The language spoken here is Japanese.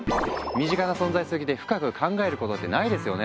身近な存在すぎて深く考えることってないですよね。